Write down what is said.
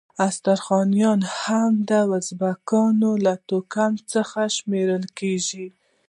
استرخانیان هم د ازبکانو له توکم څخه شمیرل کیږي.